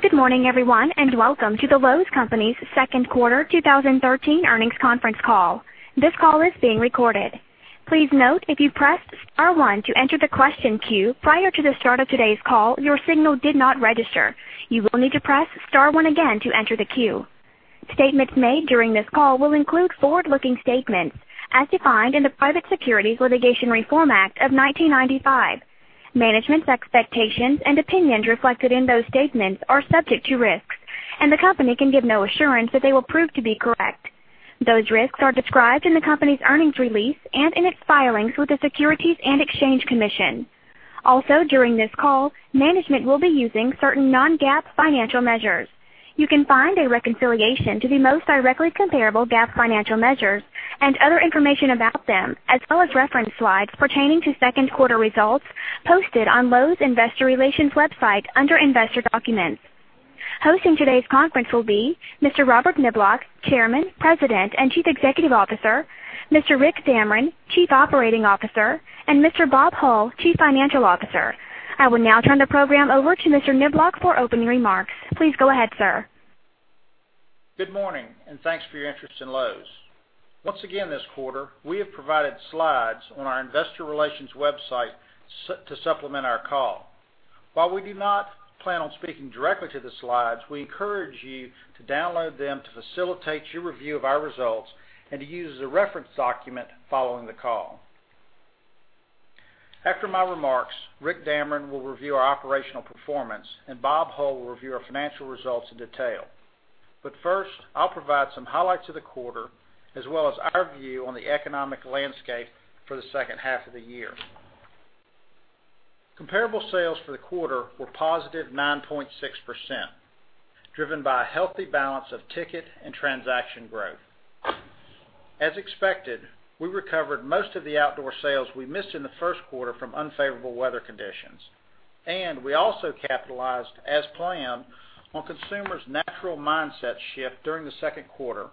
Good morning, everyone, and welcome to The Lowe's Companies second quarter 2013 earnings conference call. This call is being recorded. Please note, if you pressed star one to enter the question queue prior to the start of today’s call, your signal did not register. You will need to press star one again to enter the queue. Statements made during this call will include forward-looking statements as defined in the Private Securities Litigation Reform Act of 1995. Management’s expectations and opinions reflected in those statements are subject to risks, and the company can give no assurance that they will prove to be correct. Those risks are described in the company’s earnings release and in its filings with the Securities and Exchange Commission. Also, during this call, management will be using certain non-GAAP financial measures. You can find a reconciliation to the most directly comparable GAAP financial measures and other information about them, as well as reference slides pertaining to second quarter results, posted on Lowe’s investor relations website under Investor Documents. Hosting today’s conference will be Mr. Robert Niblock, Chairman, President, and Chief Executive Officer, Mr. Rick Damron, Chief Operating Officer, and Mr. Bob Hull, Chief Financial Officer. I will now turn the program over to Mr. Niblock for opening remarks. Please go ahead, sir. Good morning, and thanks for your interest in Lowe’s. Once again this quarter, we have provided slides on our investor relations website to supplement our call. While we do not plan on speaking directly to the slides, we encourage you to download them to facilitate your review of our results and to use as a reference document following the call. After my remarks, Rick Damron will review our operational performance, and Bob Hull will review our financial results in detail. First, I’ll provide some highlights of the quarter as well as our view on the economic landscape for the second half of the year. Comparable sales for the quarter were positive 9.6%, driven by a healthy balance of ticket and transaction growth. As expected, we recovered most of the outdoor sales we missed in the first quarter from unfavorable weather conditions, and we also capitalized, as planned, on consumers' natural mindset shift during the second quarter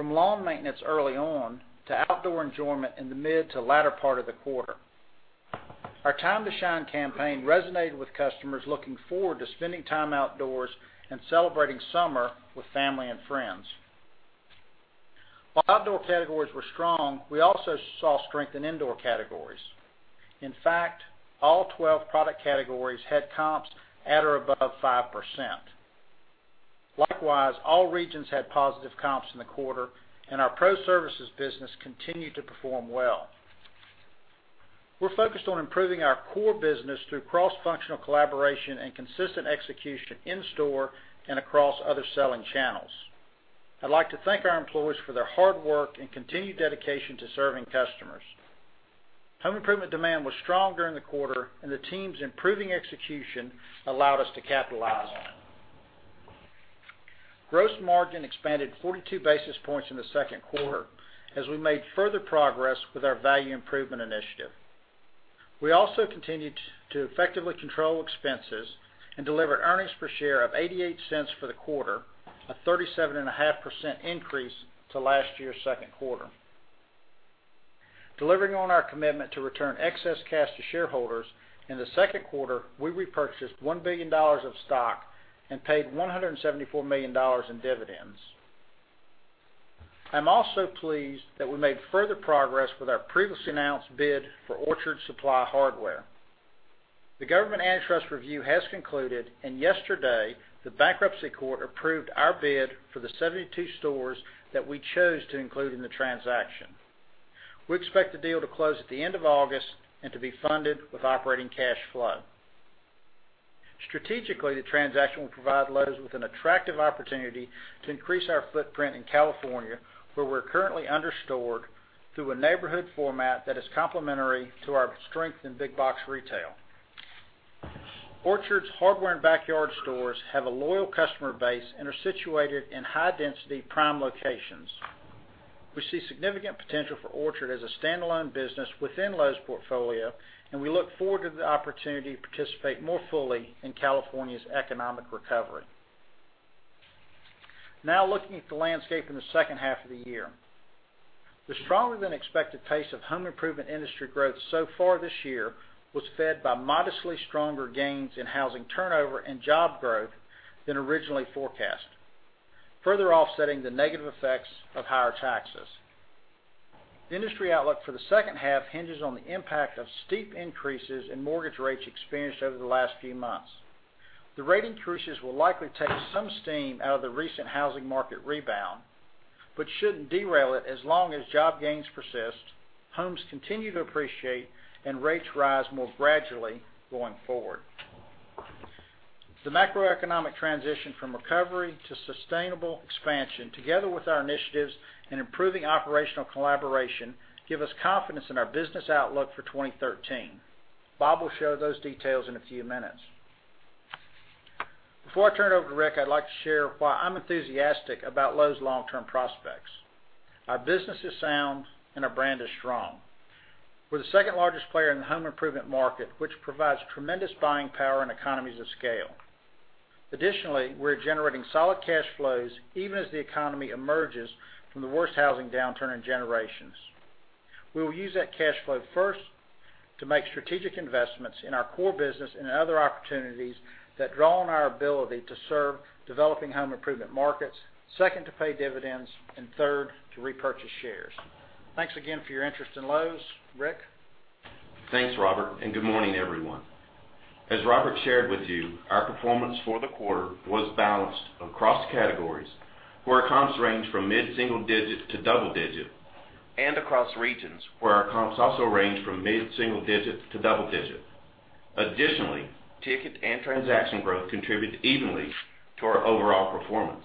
from lawn maintenance early on to outdoor enjoyment in the mid to latter part of the quarter. Our Time to Shine campaign resonated with customers looking forward to spending time outdoors and celebrating summer with family and friends. While outdoor categories were strong, we also saw strength in indoor categories. In fact, all 12 product categories had comps at or above 5%. Likewise, all regions had positive comps in the quarter, and our pro services business continued to perform well. We're focused on improving our core business through cross-functional collaboration and consistent execution in-store and across other selling channels. I’d like to thank our employees for their hard work and continued dedication to serving customers. Home improvement demand was strong during the quarter. The team’s improving execution allowed us to capitalize on it. Gross margin expanded 42 basis points in the second quarter as we made further progress with our value improvement initiative. We also continued to effectively control expenses and deliver earnings per share of $0.88 for the quarter, a 37.5% increase to last year’s second quarter. Delivering on our commitment to return excess cash to shareholders, in the second quarter, we repurchased $1 billion of stock and paid $174 million in dividends. I’m also pleased that we made further progress with our previously announced bid for Orchard Supply Hardware. Yesterday, the bankruptcy court approved our bid for the 72 stores that we chose to include in the transaction. We expect the deal to close at the end of August and to be funded with operating cash flow. Strategically, the transaction will provide Lowe’s with an attractive opportunity to increase our footprint in California, where we’re currently under-stored, through a neighborhood format that is complementary to our strength in big box retail. Orchard’s hardware and backyard stores have a loyal customer base and are situated in high-density prime locations. We see significant potential for Orchard as a standalone business within Lowe’s portfolio. We look forward to the opportunity to participate more fully in California’s economic recovery. Looking at the landscape in the second half of the year. The stronger-than-expected pace of home improvement industry growth so far this year was fed by modestly stronger gains in housing turnover and job growth than originally forecast, further offsetting the negative effects of higher taxes. Industry outlook for the second half hinges on the impact of steep increases in mortgage rates experienced over the last few months. The rate increases will likely take some steam out of the recent housing market rebound, shouldn't derail it as long as job gains persist, homes continue to appreciate. Rates rise more gradually going forward. The macroeconomic transition from recovery to sustainable expansion, together with our initiatives and improving operational collaboration, give us confidence in our business outlook for 2013. Bob will share those details in a few minutes. Before I turn it over to Rick, I’d like to share why I’m enthusiastic about Lowe’s long-term prospects. Our business is sound. Our brand is strong. We’re the second-largest player in the home improvement market, which provides tremendous buying power and economies of scale. We’re generating solid cash flows even as the economy emerges from the worst housing downturn in generations. We will use that cash flow first to make strategic investments in our core business and other opportunities that draw on our ability to serve developing home improvement markets. Second, to pay dividends. Third, to repurchase shares. Thanks again for your interest in Lowe’s. Rick? Thanks, Robert, and good morning, everyone. As Robert shared with you, our performance for the quarter was balanced across categories where comps range from mid-single digit to double digit, and across regions, where our comps also range from mid-single digit to double digit. Additionally, ticket and transaction growth contributed evenly to our overall performance.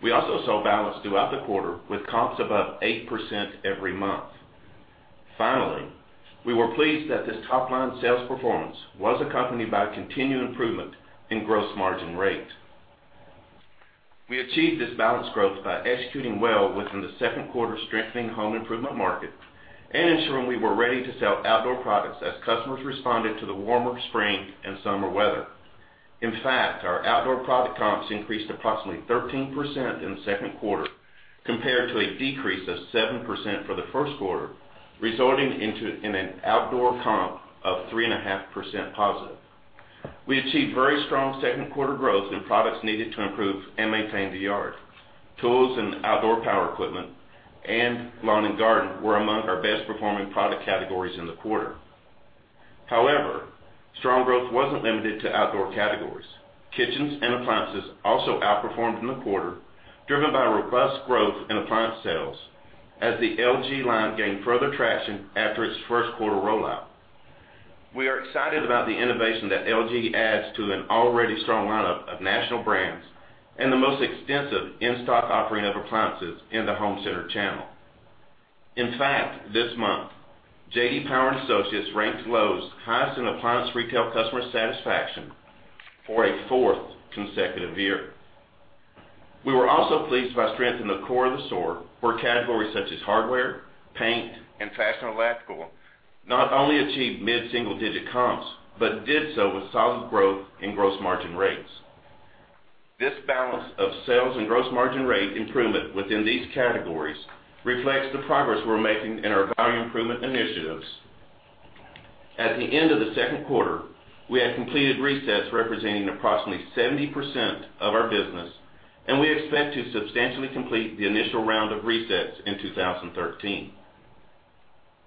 We also saw balance throughout the quarter with comps above 8% every month. Finally, we were pleased that this top-line sales performance was accompanied by continued improvement in gross margin rate. We achieved this balanced growth by executing well within the second quarter strengthening home improvement market and ensuring we were ready to sell outdoor products as customers responded to the warmer spring and summer weather. Our outdoor product comps increased approximately 13% in the second quarter compared to a decrease of 7% for the first quarter, resulting in an outdoor comp of 3.5% positive. We achieved very strong second quarter growth in products needed to improve and maintain the yard. Tools and outdoor power equipment and lawn and garden were among our best-performing product categories in the quarter. However, strong growth wasn't limited to outdoor categories. Kitchens and appliances also outperformed in the quarter, driven by robust growth in appliance sales as the LG line gained further traction after its first quarter rollout. We are excited about the innovation that LG adds to an already strong lineup of national brands and the most extensive in-stock offering of appliances in the home center channel. In fact, this month, J.D. Power and Associates ranked Lowe's highest in appliance retail customer satisfaction for a fourth consecutive year. We were also pleased by strength in the core of the store, where categories such as hardware, paint, and personal electrical not only achieved mid-single digit comps but did so with solid growth in gross margin rates. This balance of sales and gross margin rate improvement within these categories reflects the progress we're making in our value improvement initiatives. At the end of the second quarter, we had completed resets representing approximately 70% of our business, and we expect to substantially complete the initial round of resets in 2013.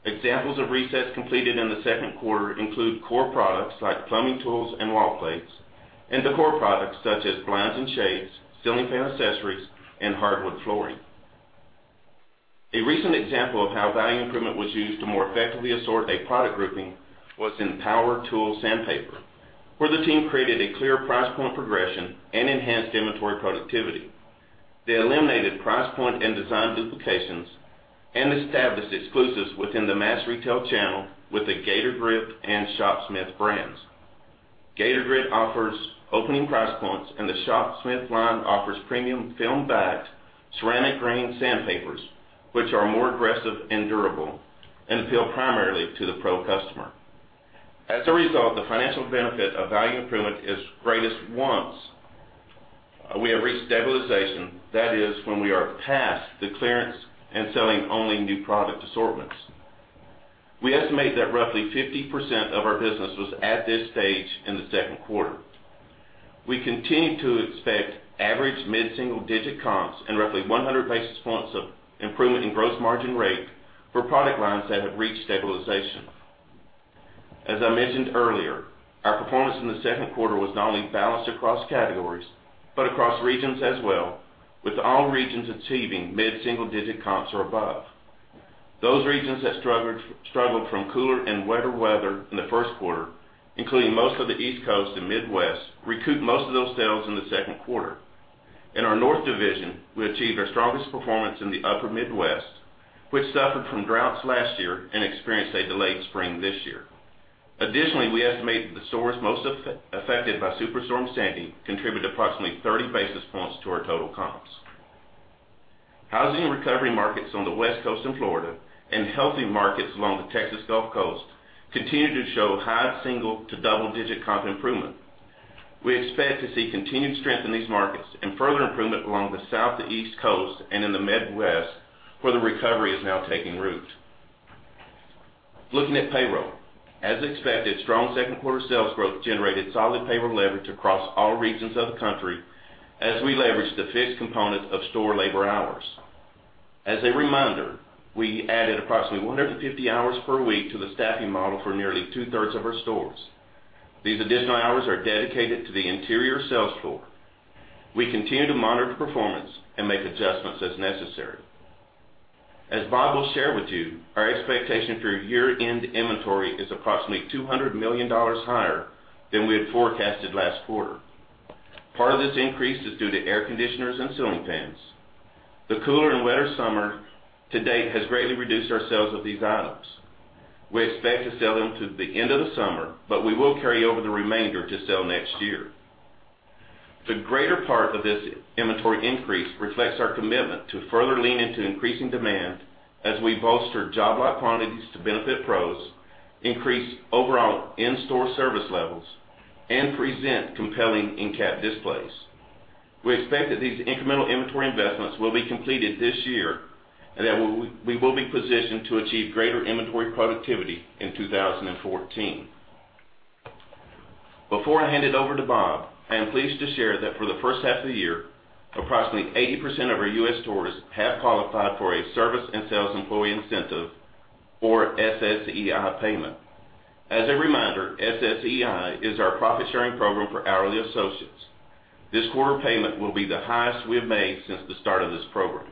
Examples of resets completed in the second quarter include core products like plumbing tools and wall plates, and decor products such as blinds and shades, ceiling fan accessories, and hardwood flooring. A recent example of how value improvement was used to more effectively assort a product grouping was in power tool sandpaper, where the team created a clear price point progression and enhanced inventory productivity. They eliminated price point and design duplications and established exclusives within the mass retail channel with the Gator-Grip and Shopsmith brands. Gator-Grip offers opening price points, and the Shopsmith line offers premium film-backed ceramic grain sandpapers, which are more aggressive and durable and appeal primarily to the pro customer. The financial benefit of value improvement is greatest once we have reached stabilization, that is, when we are past the clearance and selling only new product assortments. We estimate that roughly 50% of our business was at this stage in the second quarter. We continue to expect average mid-single digit comps and roughly 100 basis points of improvement in gross margin rate for product lines that have reached stabilization. As I mentioned earlier, our performance in the second quarter was not only balanced across categories, but across regions as well, with all regions achieving mid-single digit comps or above. Those regions that struggled from cooler and wetter weather in the first quarter, including most of the East Coast and Midwest, recouped most of those sales in the second quarter. In our North Division, we achieved our strongest performance in the upper Midwest, which suffered from droughts last year and experienced a delayed spring this year. Additionally, we estimate that the stores most affected by Superstorm Sandy contributed approximately 30 basis points to our total comps. Housing recovery markets on the West Coast and Florida and healthy markets along the Texas Gulf Coast continue to show high single to double-digit comp improvement. We expect to see continued strength in these markets and further improvement along the Southeast coast and in the Midwest, where the recovery is now taking root. Looking at payroll. As expected, strong second quarter sales growth generated solid payroll leverage across all regions of the country as we leveraged the fixed component of store labor hours. As a reminder, we added approximately 150 hours per week to the staffing model for nearly two-thirds of our stores. These additional hours are dedicated to the interior sales floor. We continue to monitor performance and make adjustments as necessary. As Bob will share with you, our expectation for year-end inventory is approximately $200 million higher than we had forecasted last quarter. Part of this increase is due to air conditioners and ceiling fans. The cooler and wetter summer to date has greatly reduced our sales of these items. We expect to sell them to the end of the summer, but we will carry over the remainder to sell next year. The greater part of this inventory increase reflects our commitment to further lean into increasing demand as we bolster job-lot quantities to benefit pros, increase overall in-store service levels, and present compelling end cap displays. We expect that these incremental inventory investments will be completed this year and that we will be positioned to achieve greater inventory productivity in 2014. Before I hand it over to Bob, I am pleased to share that for the first half of the year, approximately 80% of our U.S. stores have qualified for a service and sales employee incentive or SSEI payment. As a reminder, SSEI is our profit-sharing program for hourly associates. This quarter payment will be the highest we have made since the start of this program.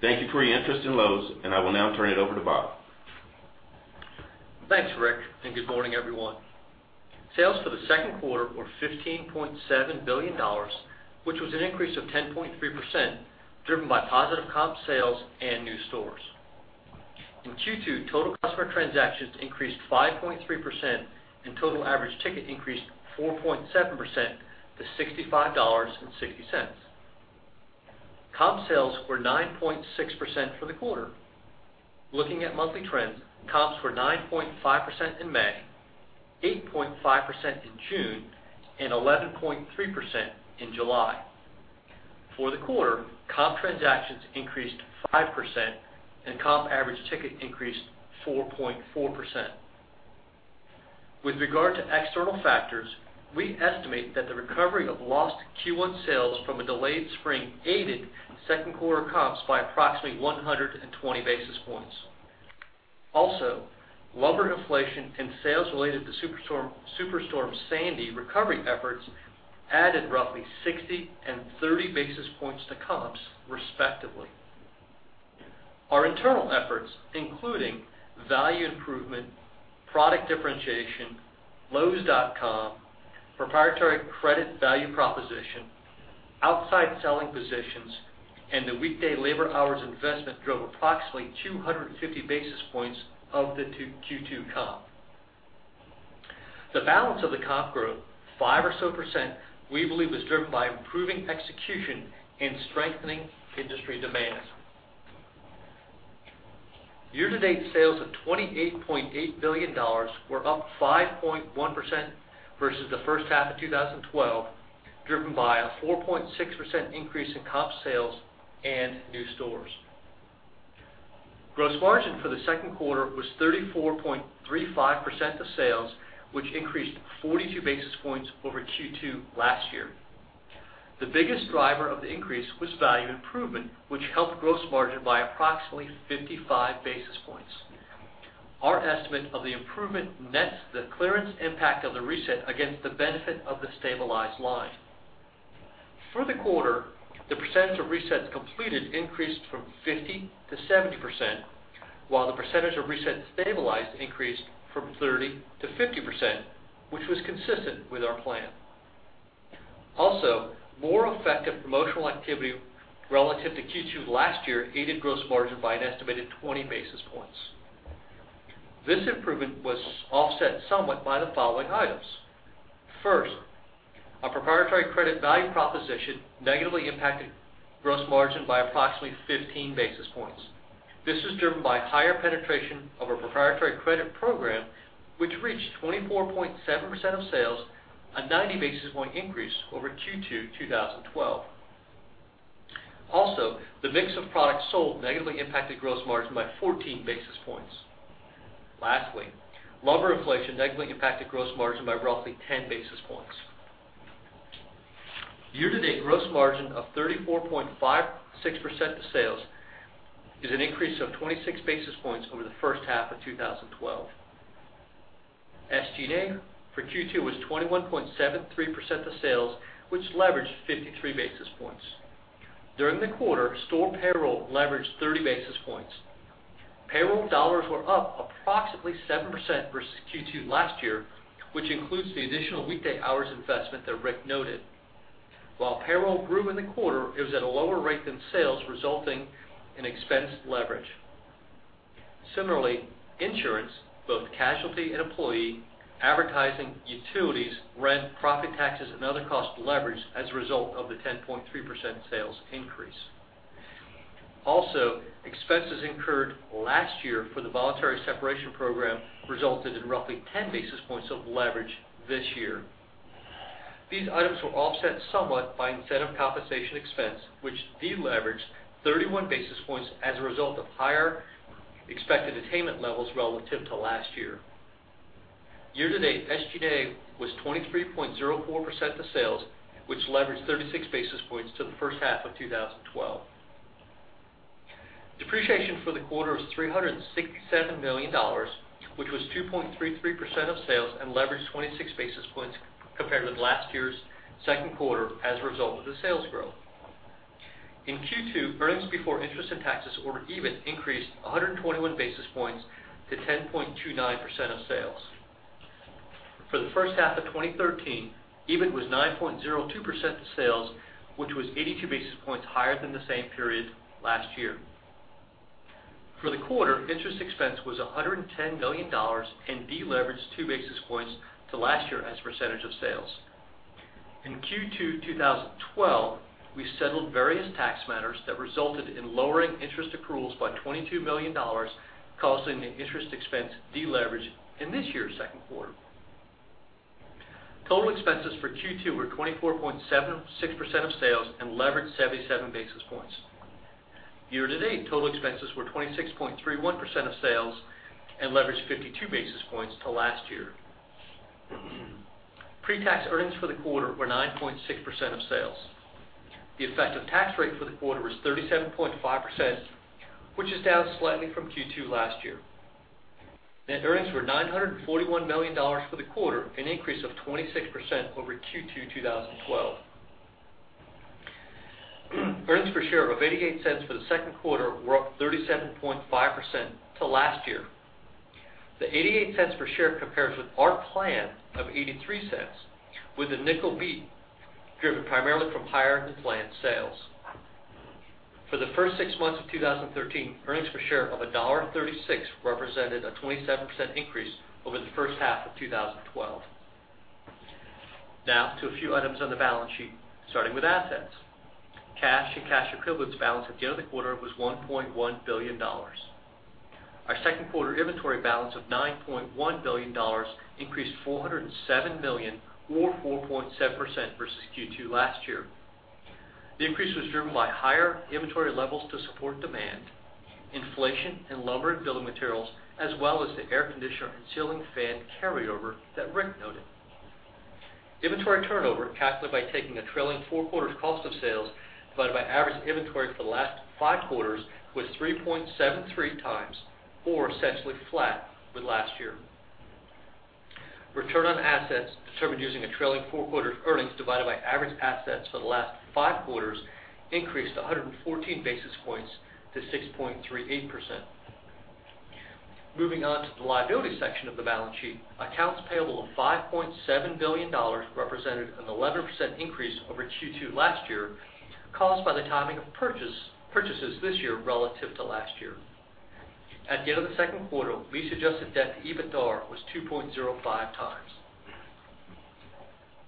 Thank you for your interest in Lowe's, and I will now turn it over to Bob. Thanks, Rick, and good morning, everyone. Sales for the second quarter were $15.7 billion, which was an increase of 10.3%, driven by positive comp sales and new stores. In Q2, total customer transactions increased 5.3% and total average ticket increased 4.7% to $65.60. Comp sales were 9.6% for the quarter. Looking at monthly trends, comps were 9.5% in May, 8.5% in June and 11.3% in July. For the quarter, comp transactions increased 5% and comp average ticket increased 4.4%. With regard to external factors, we estimate that the recovery of lost Q1 sales from a delayed spring aided second quarter comps by approximately 120 basis points. Lumber inflation and sales related to Superstorm Sandy recovery efforts added roughly 60 and 30 basis points to comps, respectively. Our internal efforts, including value improvement, product differentiation, lowes.com, proprietary credit value proposition, outside selling positions, and the weekday labor hours investment drove approximately 250 basis points of the Q2 comp. The balance of the comp growth, 5% or so, we believe was driven by improving execution and strengthening industry demand. Year-to-date sales of $28.8 billion were up 5.1% versus the first half of 2012, driven by a 4.6% increase in comp sales and new stores. Gross margin for the second quarter was 34.35% of sales, which increased 42 basis points over Q2 last year. The biggest driver of the increase was value improvement, which helped gross margin by approximately 55 basis points. Our estimate of the improvement nets the clearance impact of the reset against the benefit of the stabilized line. For the quarter, the percentage of resets completed increased from 50% to 70%, while the percentage of resets stabilized increased from 30% to 50%, which was consistent with our plan. More effective promotional activity relative to Q2 last year aided gross margin by an estimated 20 basis points. This improvement was offset somewhat by the following items. First, our proprietary credit value proposition negatively impacted gross margin by approximately 15 basis points. This was driven by higher penetration of our proprietary credit program, which reached 24.7% of sales, a 90 basis point increase over Q2 2012. The mix of products sold negatively impacted gross margin by 14 basis points. Lastly, lumber inflation negatively impacted gross margin by roughly 10 basis points. Year-to-date gross margin of 34.56% to sales is an increase of 26 basis points over the first half of 2012. SG&A for Q2 was 21.73% to sales, which leveraged 53 basis points. During the quarter, store payroll leveraged 30 basis points. Payroll dollars were up approximately 7% versus Q2 last year, which includes the additional weekday hours investment that Rick noted. While payroll grew in the quarter, it was at a lower rate than sales, resulting in expense leverage. Similarly, insurance, both casualty and employee, advertising, utilities, rent, profit taxes and other costs leveraged as a result of the 10.3% sales increase. Expenses incurred last year for the voluntary separation program resulted in roughly 10 basis points of leverage this year. These items were offset somewhat by incentive compensation expense, which deleveraged 31 basis points as a result of higher expected attainment levels relative to last year. Year-to-date SG&A was 23.04% to sales, which leveraged 36 basis points to the first half of 2012. Depreciation for the quarter was $367 million, which was 2.33% of sales and leveraged 26 basis points compared with last year's second quarter as a result of the sales growth. In Q2, earnings before interest and taxes or EBIT increased 121 basis points to 10.29% of sales. For the first half of 2013, EBIT was 9.02% to sales, which was 82 basis points higher than the same period last year. For the quarter, interest expense was $110 million and deleveraged two basis points to last year as a percentage of sales. In Q2 2012, we settled various tax matters that resulted in lowering interest accruals by $22 million, causing the interest expense deleverage in this year's second quarter. Total expenses for Q2 were 24.76% of sales and leveraged 77 basis points. Year-to-date, total expenses were 26.31% of sales and leveraged 52 basis points to last year. Pre-tax earnings for the quarter were 9.6% of sales. The effective tax rate for the quarter was 37.5%, which is down slightly from Q2 last year. Net earnings were $941 million for the quarter, an increase of 26% over Q2 2012. Earnings per share of $0.88 for the second quarter were up 37.5% to last year. The $0.88 per share compares with our plan of $0.83, with a nickel beat driven primarily from higher-than-planned sales. For the first six months of 2013, earnings per share of $1.36 represented a 27% increase over the first half of 2012. Now to a few items on the balance sheet, starting with assets. Cash and cash equivalents balance at the end of the quarter was $1.1 billion. Our second quarter inventory balance of $9.1 billion increased $407 million or 4.7% versus Q2 last year. The increase was driven by higher inventory levels to support demand, inflation in lumber and building materials, as well as the air conditioner and ceiling fan carryover that Rick noted. Inventory turnover, calculated by taking a trailing four quarters cost of sales divided by average inventory for the last five quarters, was 3.73 times or essentially flat with last year. Return on assets, determined using a trailing four quarters earnings divided by average assets for the last five quarters, increased 114 basis points to 6.38%. Moving on to the liability section of the balance sheet. Accounts payable of $5.7 billion represented an 11% increase over Q2 last year, caused by the timing of purchases this year relative to last year. At the end of the second quarter, lease-adjusted debt-to-EBITDAR was 2.05 times.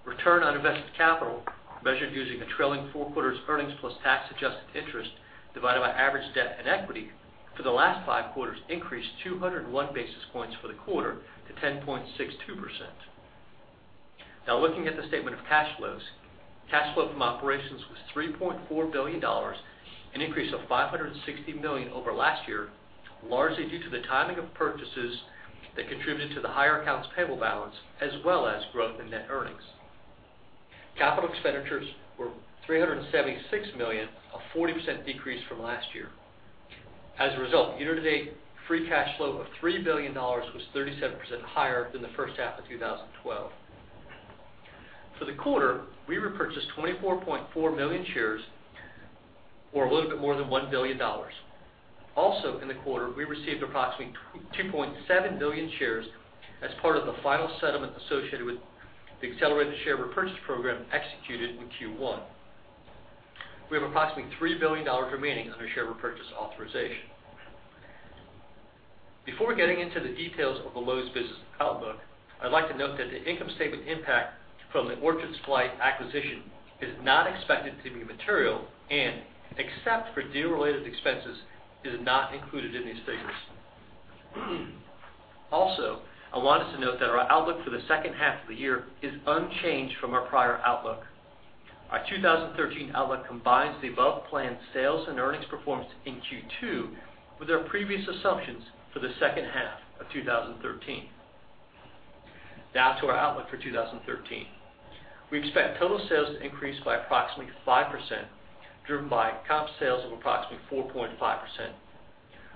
Return on invested capital, measured using a trailing four quarters earnings plus tax-adjusted interest divided by average debt and equity for the last five quarters, increased 201 basis points for the quarter to 10.62%. Now looking at the statement of cash flows. Cash flow from operations was $3.4 billion, an increase of $560 million over last year, largely due to the timing of purchases that contributed to the higher accounts payable balance, as well as growth in net earnings. Capital expenditures were $376 million, a 40% decrease from last year. As a result, year-to-date free cash flow of $3 billion was 37% higher than the first half of 2012. For the quarter, we repurchased 24.4 million shares or a little bit more than $1 billion. In the quarter, we received approximately 2.7 million shares as part of the final settlement associated with the accelerated share repurchase program executed in Q1. We have approximately $3 billion remaining under share repurchase authorization. Before getting into the details of the Lowe's business outlook, I'd like to note that the income statement impact from the Orchard Supply acquisition is not expected to be material and except for deal-related expenses, is not included in these figures. I wanted to note that our outlook for the second half of the year is unchanged from our prior outlook. Our 2013 outlook combines the above-plan sales and earnings performance in Q2 with our previous assumptions for the second half of 2013. Now to our outlook for 2013. We expect total sales to increase by approximately 5%, driven by comp sales of approximately 4.5%.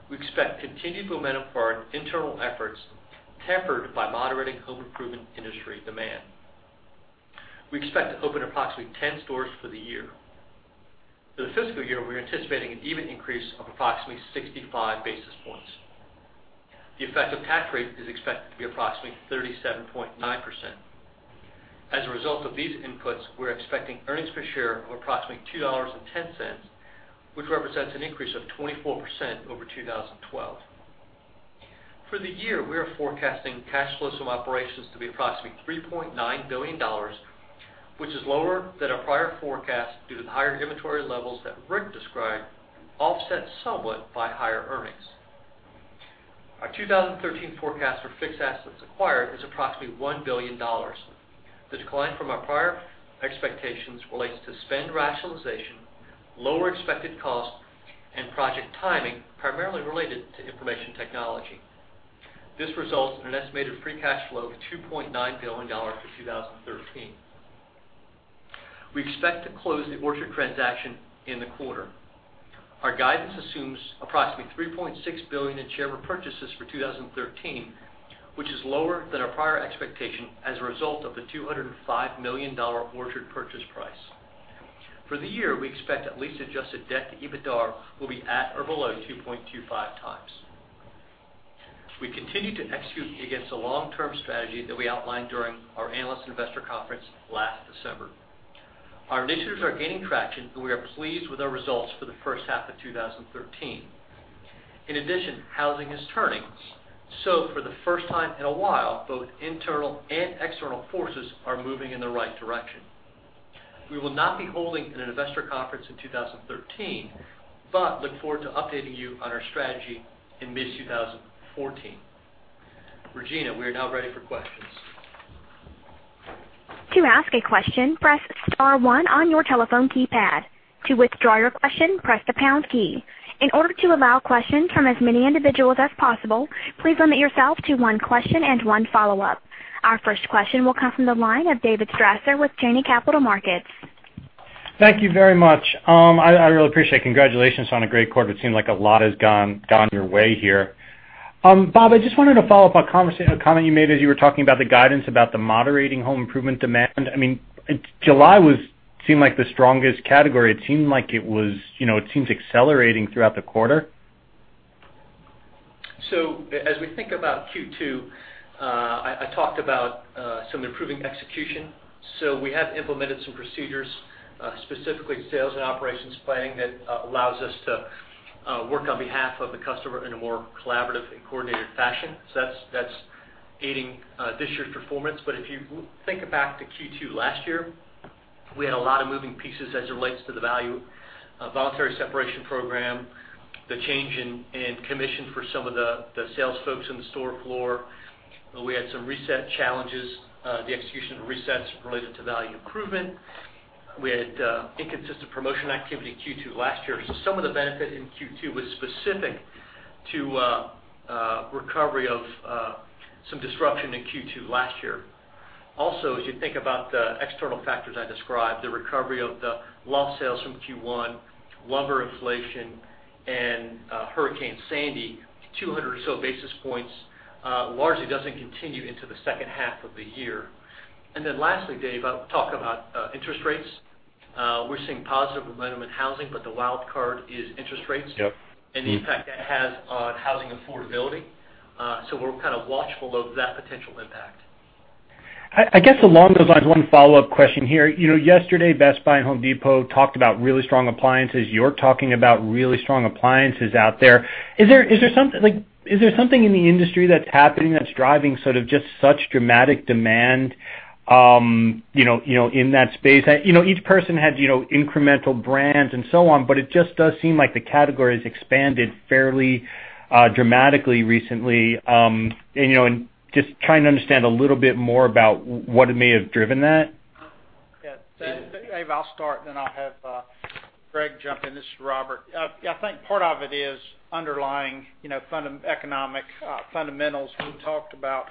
We expect continued momentum for our internal efforts, tempered by moderating home improvement industry demand. We expect to open approximately 10 stores for the year. For the fiscal year, we are anticipating an EBIT increase of approximately 65 basis points. The effective tax rate is expected to be approximately 37.9%. As a result of these inputs, we're expecting earnings per share of approximately $2.10, which represents an increase of 24% over 2012. For the year, we are forecasting cash flows from operations to be approximately $3.9 billion, which is lower than our prior forecast due to the higher inventory levels that Rick described, offset somewhat by higher earnings. Our 2013 forecast for fixed assets acquired is approximately $1 billion. The decline from our prior expectations relates to spend rationalization, lower expected cost, and project timing, primarily related to information technology. This results in an estimated free cash flow of $2.9 billion for 2013. We expect to close the Orchard transaction in the quarter. Our guidance assumes approximately $3.6 billion in share repurchases for 2013, which is lower than our prior expectation as a result of the $205 million Orchard purchase price. For the year, we expect that lease-adjusted debt to EBITDAR will be at or below 2.25 times. We continue to execute against the long-term strategy that we outlined during our Analyst and Investor Conference last December. Our initiatives are gaining traction, and we are pleased with our results for the first half of 2013. In addition, housing is turning. For the first time in a while, both internal and external forces are moving in the right direction. We will not be holding an investor conference in 2013, but look forward to updating you on our strategy in mid-2014. Regina, we are now ready for questions. To ask a question, press star one on your telephone keypad. To withdraw your question, press the pound key. In order to allow questions from as many individuals as possible, please limit yourself to one question and one follow-up. Our first question will come from the line of David Strasser with Janney Montgomery Scott. Thank you very much. I really appreciate it. Congratulations on a great quarter. It seemed like a lot has gone your way here. Bob, I just wanted to follow up on a comment you made as you were talking about the guidance about the moderating home improvement demand. July seemed like the strongest category. It seemed accelerating throughout the quarter. As we think about Q2, I talked about some improving execution. We have implemented some procedures, specifically sales and operations planning, that allows us to work on behalf of the customer in a more collaborative and coordinated fashion. That's aiding this year's performance. If you think back to Q2 last year, we had a lot of moving pieces as it relates to the value voluntary separation program, the change in commission for some of the sales folks on the store floor. We had some reset challenges, the execution of resets related to value improvement. We had inconsistent promotion activity Q2 last year. Some of the benefit in Q2 was specific to recovery of some disruption in Q2 last year. Also, as you think about the external factors I described, the recovery of the lost sales from Q1, lumber inflation, and Hurricane Sandy, 200 or so basis points, largely doesn't continue into the second half of the year. Lastly, Dave, I'll talk about interest rates. We're seeing positive momentum in housing, but the wild card is interest rates. Yep The impact that has on housing affordability. We're watchful of that potential impact. I guess along those lines, one follow-up question here. Yesterday, Best Buy and The Home Depot talked about really strong appliances. You're talking about really strong appliances out there. Is there something in the industry that's happening that's driving sort of just such dramatic demand in that space? Each person has incremental brands and so on, but it just does seem like the category has expanded fairly dramatically recently. Just trying to understand a little bit more about what may have driven that. Yeah. Dave, I'll start, then I'll have Greg jump in. This is Robert. I think part of it is underlying economic fundamentals we talked about,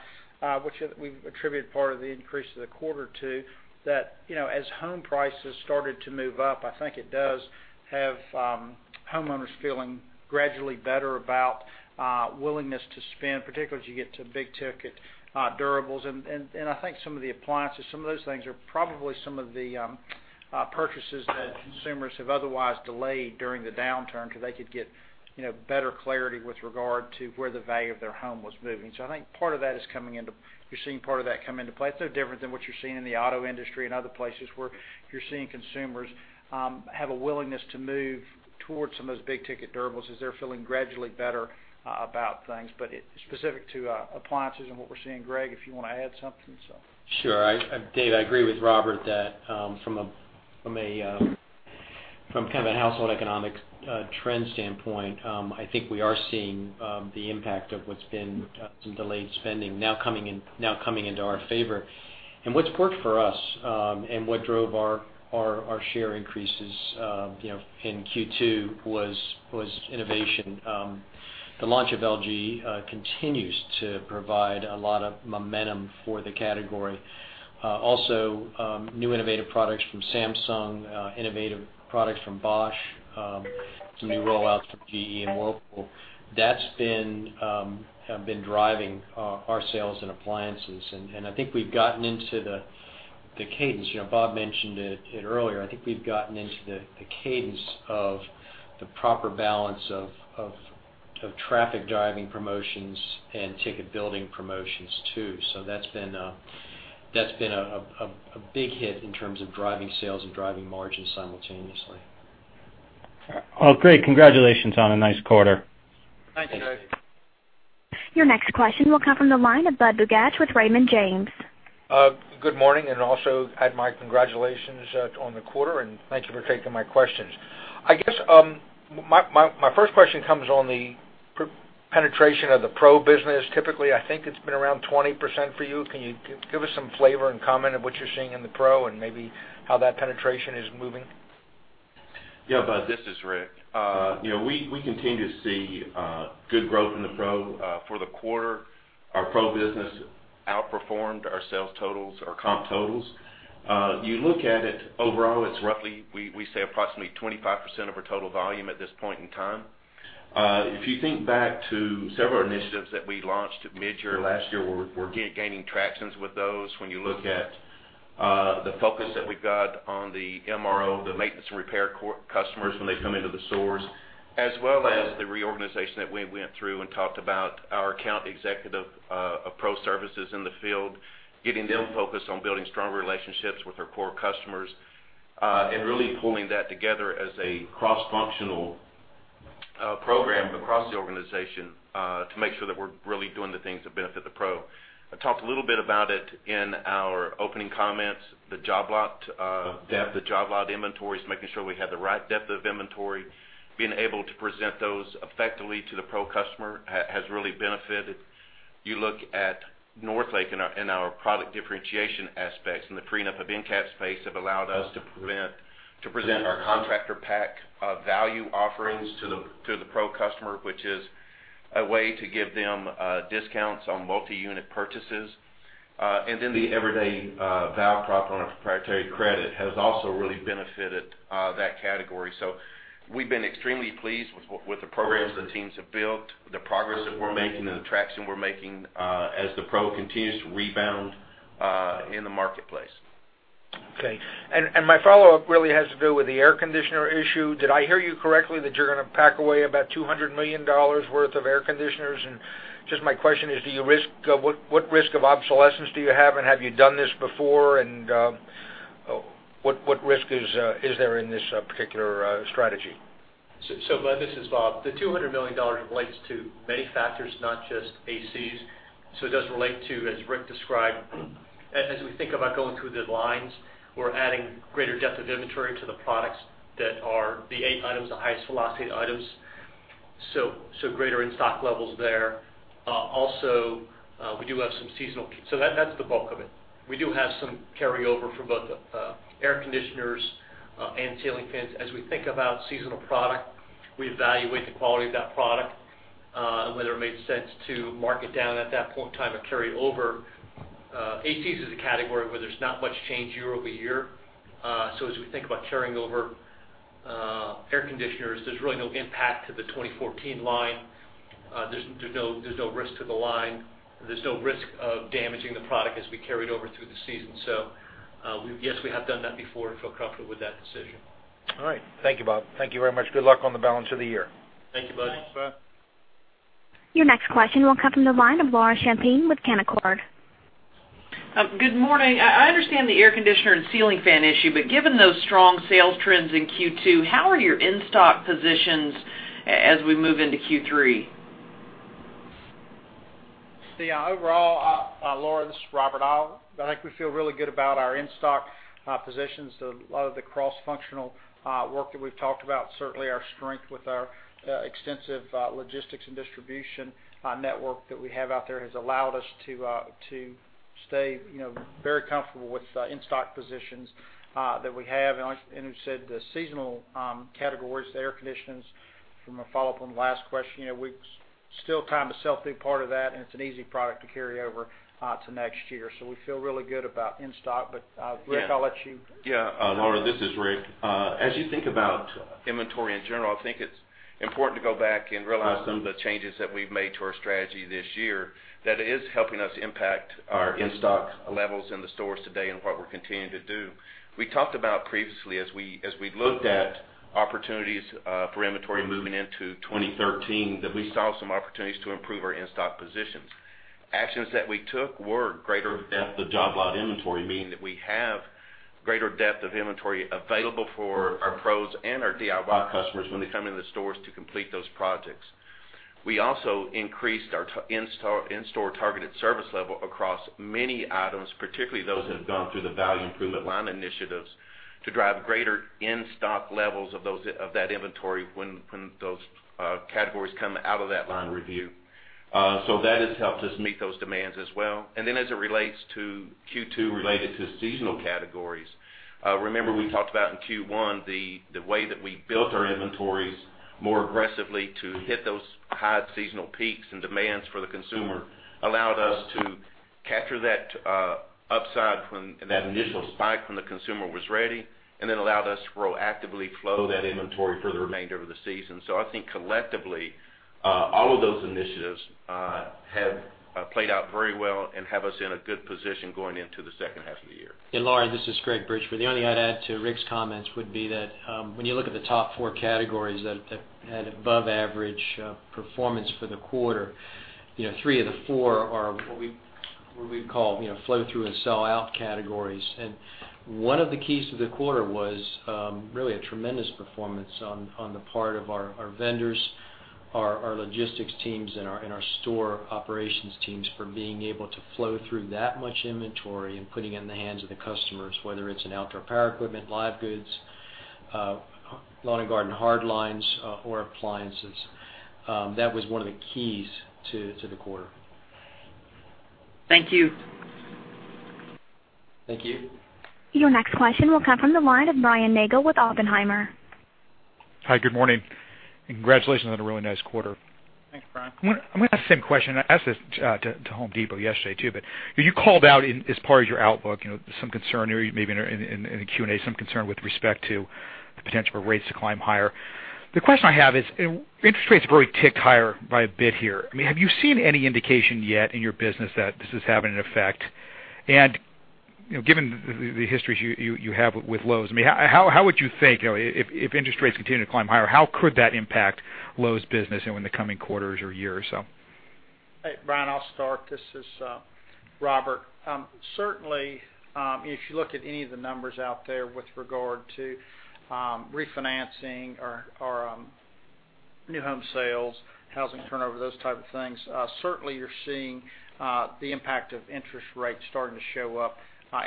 which we've attributed part of the increase of the quarter to, that as home prices started to move up, I think it does have homeowners feeling gradually better about willingness to spend, particularly as you get to big-ticket durables. I think some of the appliances, some of those things are probably some of the purchases that consumers have otherwise delayed during the downturn because they could get better clarity with regard to where the value of their home was moving. I think you're seeing part of that come into play. It's no different than what you're seeing in the auto industry and other places where you're seeing consumers have a willingness to move towards some of those big-ticket durables as they're feeling gradually better about things. Specific to appliances and what we're seeing, Greg, if you want to add something. Sure. Dave, I agree with Robert that from kind of a household economics trend standpoint, I think we are seeing the impact of what's been some delayed spending now coming into our favor. What's worked for us and what drove our share increases in Q2 was innovation. The launch of LG continues to provide a lot of momentum for the category. Also, new innovative products from Samsung, innovative products from Bosch, some new rollouts from GE and Whirlpool. That's been driving our sales and appliances. I think we've gotten into the cadence. Bob mentioned it earlier. I think we've gotten into the cadence of the proper balance of traffic-driving promotions and ticket-building promotions, too. That's been a big hit in terms of driving sales and driving margins simultaneously. Well, great. Congratulations on a nice quarter. Thanks, Dave. Your next question will come from the line of Budd Bugatch with Raymond James. Good morning. Also add my congratulations on the quarter, and thank you for taking my questions. I guess my first question comes on the penetration of the pro business. Typically, I think it's been around 20% for you. Can you give us some flavor and comment of what you're seeing in the pro and maybe how that penetration is moving? Yeah, Budd, this is Rick. We continue to see good growth in the pro. For the quarter, our pro business outperformed our sales totals, our comp totals. You look at it overall, it's roughly, we say approximately 25% of our total volume at this point in time. If you think back to several initiatives that we launched mid-year last year, we're gaining traction with those. When you look at the focus that we've got on the MRO, the maintenance and repair customers when they come into the stores, as well as the reorganization that we went through and talked about our account executive of pro services in the field, getting them focused on building strong relationships with our core customers Really pulling that together as a cross-functional program across the organization to make sure that we're really doing the things that benefit the pro. I talked a little bit about it in our opening comments, the job lot depth, the job lot inventories, making sure we have the right depth of inventory, being able to present those effectively to the pro customer has really benefited. You look at Northlake and our product differentiation aspects and the freeing up of end cap space have allowed us to present our contractor pack of value offerings to the pro customer, which is a way to give them discounts on multi-unit purchases. The everyday value prop on our proprietary credit has also really benefited that category. We've been extremely pleased with the programs the teams have built, the progress that we're making, and the traction we're making, as the pro continues to rebound in the marketplace. Okay. My follow-up really has to do with the air conditioner issue. Did I hear you correctly that you're going to pack away about $200 million worth of air conditioners? My question is, what risk of obsolescence do you have, and have you done this before, and what risk is there in this particular strategy? Glenn, this is Bob. The $200 million relates to many factors, not just ACs. It does relate to, as Rick described, as we think about going through the lines, we're adding greater depth of inventory to the products that are the eight items, the highest velocity items. Greater in-stock levels there. Also, we do have some seasonal. That's the bulk of it. We do have some carryover for both air conditioners and ceiling fans. As we think about seasonal product, we evaluate the quality of that product, and whether it made sense to mark it down at that point in time or carry over. ACs is a category where there's not much change year-over-year. As we think about carrying over air conditioners, there's really no impact to the 2014 line. There's no risk to the line. There's no risk of damaging the product as we carry it over through the season. Yes, we have done that before and feel comfortable with that decision. All right. Thank you, Bob. Thank you very much. Good luck on the balance of the year. Thank you, Bud. Thanks, Bob. Your next question will come from the line of Laura Champine with Canaccord. Good morning. I understand the air conditioner and ceiling fan issue, given those strong sales trends in Q2, how are your in-stock positions as we move into Q3? Laura, this is Robert. I think we feel really good about our in-stock positions. A lot of the cross-functional work that we've talked about, certainly our strength with our extensive logistics and distribution network that we have out there has allowed us to stay very comfortable with the in-stock positions that we have. As you said, the seasonal categories, the air conditioners, from a follow-up on the last question, we still have time to sell through part of that, and it's an easy product to carry over to next year. We feel really good about in-stock. Rick, I'll let you. Laura, this is Rick. As you think about inventory in general, I think it's important to go back and realize some of the changes that we've made to our strategy this year that is helping us impact our in-stock levels in the stores today and what we're continuing to do. We talked about previously, as we looked at opportunities for inventory moving into 2013, that we saw some opportunities to improve our in-stock positions. Actions that we took were greater depth of job lot inventory, meaning that we have greater depth of inventory available for our pros and our DIY customers when they come into the stores to complete those projects. We also increased our in-store targeted service level across many items, particularly those that have gone through the value improvement line initiatives, to drive greater in-stock levels of that inventory when those categories come out of that line review. That has helped us meet those demands as well. As it relates to Q2 related to seasonal categories, remember we talked about in Q1, the way that we built our inventories more aggressively to hit those high seasonal peaks and demands for the consumer, allowed us to capture that upside when that initial spike from the consumer was ready, and then allowed us to proactively flow that inventory for the remainder of the season. I think collectively, all of those initiatives have played out very well and have us in a good position going into the second half of the year. Laura, this is Greg Bridgeford. The only thing I'd add to Rick's comments would be that, when you look at the top four categories that had above-average performance for the quarter, three of the four are what we'd call flow-through and sellout categories. One of the keys to the quarter was really a tremendous performance on the part of our vendors, our logistics teams, and our store operations teams for being able to flow through that much inventory and putting it in the hands of the customers, whether it's in outdoor power equipment, live goods, lawn and garden hard lines, or appliances. That was one of the keys to the quarter. Thank you. Thank you. Your next question will come from the line of Brian Nagel with Oppenheimer. Hi, good morning, congratulations on a really nice quarter. Thanks, Brian. I'm going to ask the same question. I asked this to The Home Depot yesterday, too. You called out as part of your outlook, some concern, or maybe in the Q&A, some concern with respect to the potential for rates to climb higher. The question I have is, interest rates have already ticked higher by a bit here. Have you seen any indication yet in your business that this is having an effect? Given the histories you have with Lowe's, how would you think, if interest rates continue to climb higher, how could that impact Lowe's business in the coming quarters or year or so? Hey, Brian, I'll start. This is Robert. Certainly, if you look at any of the numbers out there with regard to refinancing or new home sales, housing turnover, those type of things, certainly you're seeing the impact of interest rates starting to show up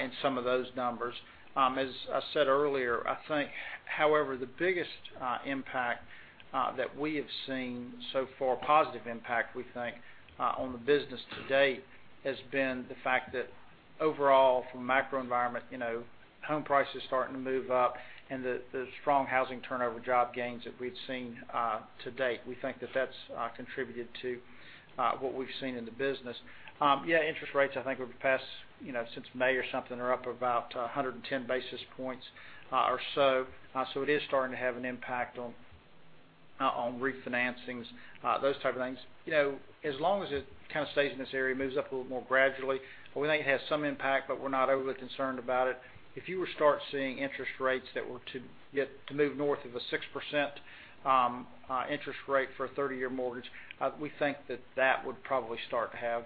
in some of those numbers. As I said earlier, I think, however, the biggest impact that we have seen so far, positive impact, we think, on the business to date, has been the fact that overall from a macro environment, home prices are starting to move up and the strong housing turnover job gains that we've seen to date. We think that that's contributed to what we've seen in the business. Yeah, interest rates, I think over the past since May or something, are up about 110 basis points or so. It is starting to have an impact on refinancings, those type of things. As long as it kind of stays in this area, moves up a little more gradually, we think it has some impact, but we're not overly concerned about it. If you were to start seeing interest rates that were to move north of a 6% interest rate for a 30-year mortgage, we think that that would probably start to have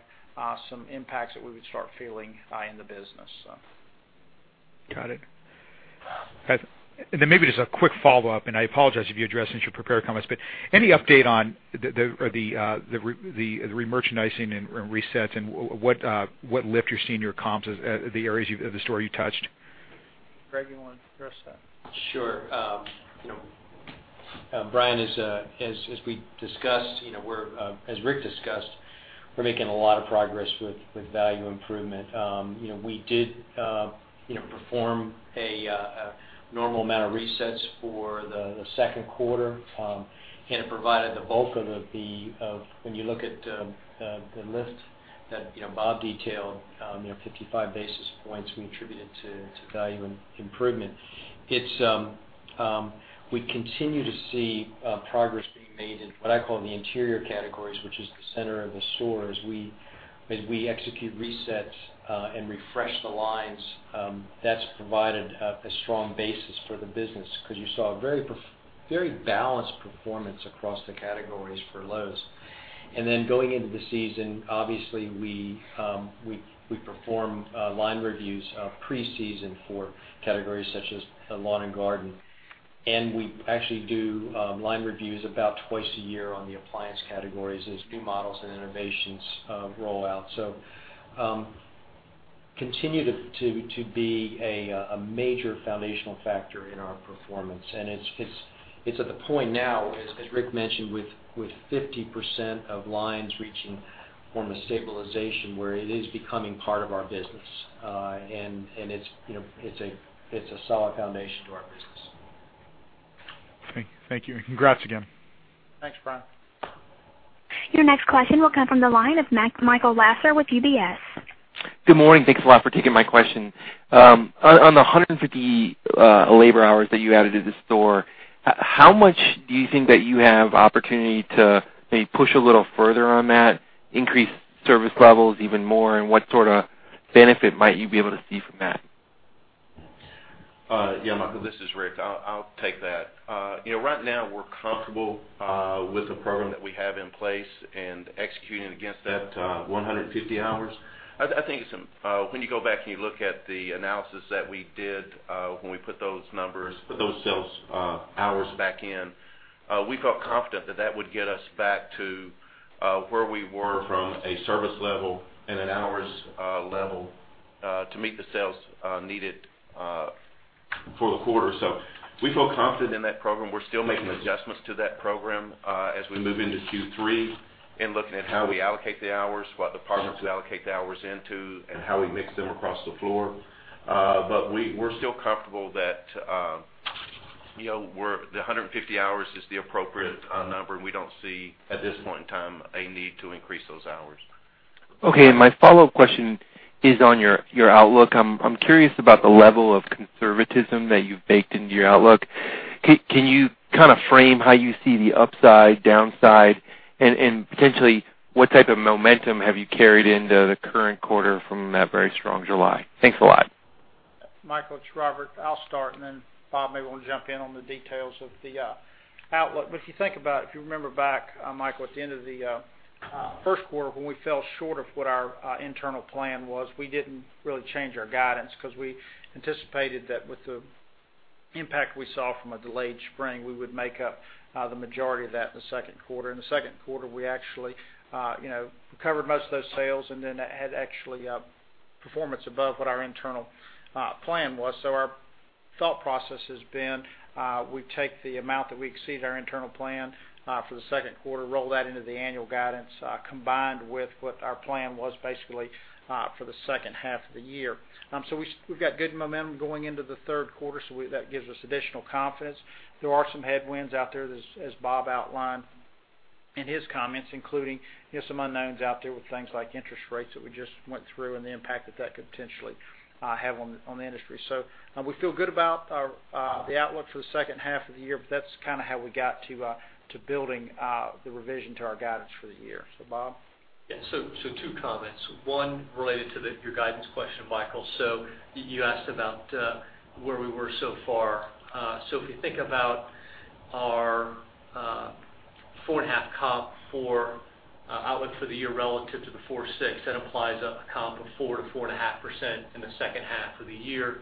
some impacts that we would start feeling in the business. Got it. Maybe just a quick follow-up, I apologize if you addressed this in your prepared comments, any update on the remerchandising and resets and what lift you're seeing your comps as the areas of the store you touched? Greg, you want to address that? Sure. Brian, as Rick discussed, we're making a lot of progress with value improvement. We did perform a normal amount of resets for the second quarter, it provided the bulk of the when you look at the lift that Bob detailed, 55 basis points we attributed to value improvement. We continue to see progress being made in what I call the interior categories, which is the center of the store, as we execute resets and refresh the lines. That's provided a strong basis for the business because you saw a very balanced performance across the categories for Lowe's. Going into the season, obviously, we perform line reviews pre-season for categories such as lawn and garden. We actually do line reviews about twice a year on the appliance categories as new models and innovations roll out. Continue to be a major foundational factor in our performance. It's at the point now, as Rick mentioned, with 50% of lines reaching a form of stabilization where it is becoming part of our business. It's a solid foundation to our business. Thank you. Congrats again. Thanks, Brian. Your next question will come from the line of Michael Lasser with UBS. Good morning. Thanks a lot for taking my question. On the 150 labor hours that you added to the store, how much do you think that you have opportunity to maybe push a little further on that, increase service levels even more, and what sort of benefit might you be able to see from that? Michael, this is Rick. I'll take that. Right now, we're comfortable with the program that we have in place and executing against that 150 hours. I think when you go back and you look at the analysis that we did when we put those numbers, those sales hours back in, we felt confident that that would get us back to where we were from a service level and an hours level to meet the sales needed for the quarter. We feel confident in that program. We're still making adjustments to that program as we move into Q3 and looking at how we allocate the hours, what departments we allocate the hours into, and how we mix them across the floor. We're still comfortable that the 150 hours is the appropriate number, and we don't see, at this point in time, a need to increase those hours. Okay. My follow-up question is on your outlook. I'm curious about the level of conservatism that you've baked into your outlook. Can you kind of frame how you see the upside, downside, and potentially what type of momentum have you carried into the current quarter from that very strong July? Thanks a lot. Michael, it's Robert. I'll start, and then Bob may want to jump in on the details of the outlook. If you think about it, if you remember back, Michael, at the end of the first quarter when we fell short of what our internal plan was, we didn't really change our guidance because we anticipated that with the impact we saw from a delayed spring, we would make up the majority of that in the second quarter. In the second quarter, we actually recovered most of those sales, and then had actually performance above what our internal plan was. Our thought process has been, we take the amount that we exceed our internal plan for the second quarter, roll that into the annual guidance, combined with what our plan was basically for the second half of the year. We've got good momentum going into the third quarter, so that gives us additional confidence. There are some headwinds out there, as Bob outlined in his comments, including some unknowns out there with things like interest rates that we just went through and the impact that that could potentially have on the industry. We feel good about the outlook for the second half of the year, but that's kind of how we got to building the revision to our guidance for the year. Bob? Yeah. Two comments. One related to your guidance question, Michael. You asked about where we were so far. If you think about our 4.5 comp for outlook for the year relative to the 4.6. That implies a comp of 4%-4.5% in the second half of the year.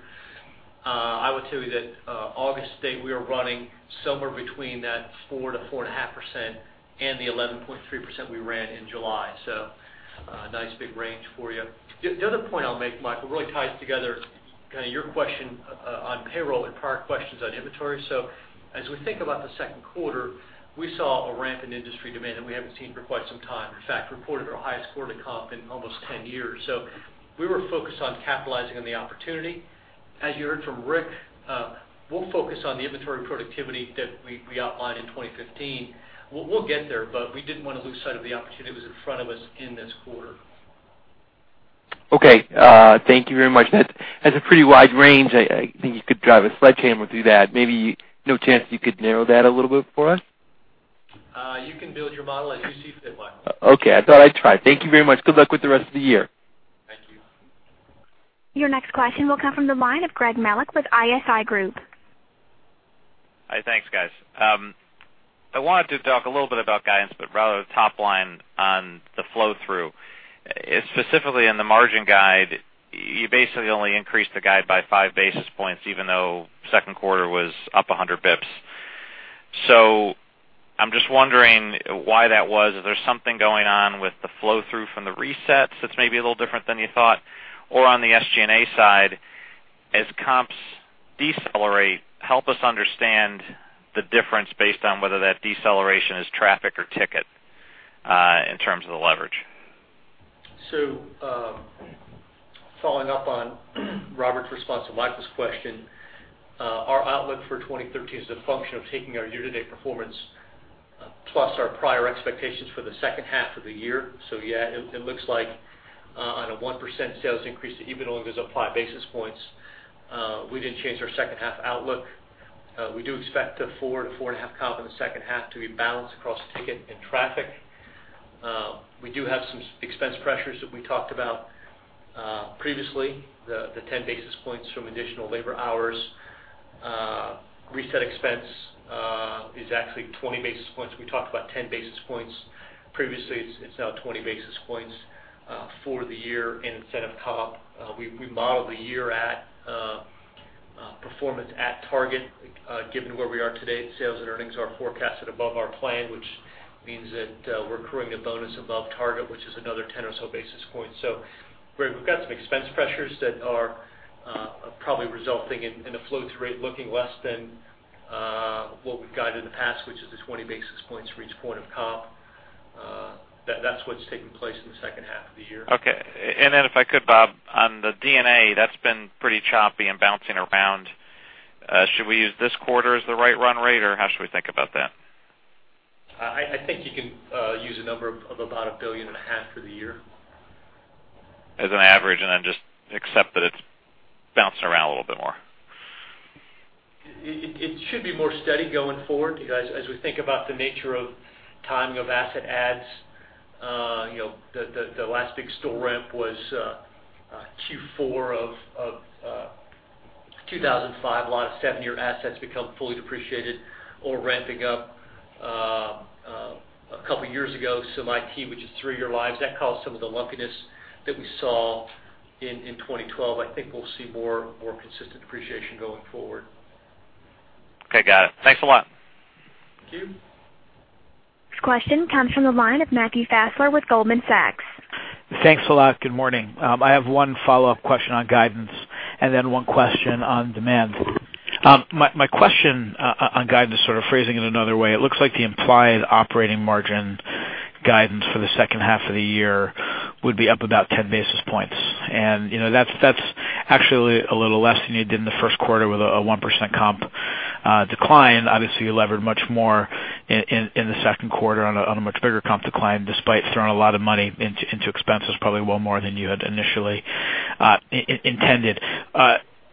I would tell you that August to date, we are running somewhere between that 4%-4.5% and the 11.3% we ran in July. A nice big range for you. The other point I'll make, Michael, really ties together your question on payroll and prior questions on inventory. As we think about the second quarter, we saw a ramp in industry demand that we haven't seen for quite some time. In fact, reported our highest quarter comp in almost 10 years. We were focused on capitalizing on the opportunity. As you heard from Rick, we'll focus on the inventory productivity that we outlined in 2013. We'll get there, but we didn't want to lose sight of the opportunity that was in front of us in this quarter. Okay. Thank you very much. That's a pretty wide range. I think you could drive a sledgehammer through that. Maybe no chance you could narrow that a little bit for us? You can build your model as you see fit, Michael. Okay. I thought I'd try. Thank you very much. Good luck with the rest of the year. Thank you. Your next question will come from the line of Gregory Melich with ISI Group. Hi. Thanks, guys. I wanted to talk a little bit about guidance, but rather the top line on the flow-through. Specifically, in the margin guide, you basically only increased the guide by 5 basis points, even though second quarter was up 100 basis points. I am just wondering why that was. Is there something going on with the flow-through from the resets that is maybe a little different than you thought? On the SG&A side, as comps decelerate, help us understand the difference based on whether that deceleration is traffic or ticket, in terms of the leverage. Following up on Robert's response to Michael's question, our outlook for 2013 is a function of taking our year-to-date performance, plus our prior expectations for the second half of the year. It looks like on a 1% sales increase, even though it was up 5 basis points, we did not change our second half outlook. We do expect the 4% to 4.5% comp in the second half to be balanced across ticket and traffic. We do have some expense pressures that we talked about previously. The 10 basis points from additional labor hours. Reset expense is actually 20 basis points. We talked about 10 basis points previously. It is now 20 basis points for the year in incentive comp. We model the year at performance at target. Given where we are today, sales and earnings are forecasted above our plan, which means that we are accruing a bonus above target, which is another 10 or so basis points. Greg, we have got some expense pressures that are probably resulting in a flow-through rate looking less than what we have guided in the past, which is the 20 basis points for each point of comp. That is what is taking place in the second half of the year. Okay. Then if I could, Bob, on the D&A, that has been pretty choppy and bouncing around. Should we use this quarter as the right run rate, or how should we think about that? I think you can use a number of about $1.5 billion for the year. As an average, then just accept that it's bouncing around a little bit more. It should be more steady going forward because as we think about the nature of timing of asset adds, the last big store ramp was Q4 of 2005. A lot of seven-year assets become fully depreciated or ramping up. A couple of years ago, some IT, which is three-year lives, that caused some of the lumpiness that we saw in 2012. I think we'll see more consistent depreciation going forward. Okay. Got it. Thanks a lot. Thank you. This question comes from the line of Matthew Fassler with Goldman Sachs. Thanks a lot. Good morning. I have one follow-up question on guidance and then one question on demand. My question on guidance, sort of phrasing it another way. It looks like the implied operating margin guidance for the second half of the year would be up about 10 basis points, and that's actually a little less than you did in the first quarter with a 1% comp decline. Obviously, you levered much more in the second quarter on a much bigger comp decline, despite throwing a lot of money into expenses, probably well more than you had initially intended.